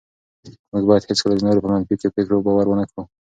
موږ باید هېڅکله د نورو په منفي پرېکړو باور ونه کړو.